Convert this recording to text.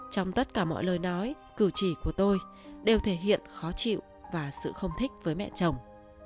trong tất cả mọi lời nói cử chỉ của tôi đều thể hiện khó chịu và sự không thích với mẹ chồng